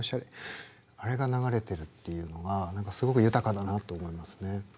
あれが流れているっていうのが何かすごく豊かだなと思いますね。